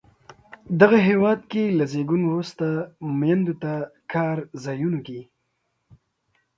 دغه هېواد کې له زیږون وروسته میندو ته کار ځایونو کې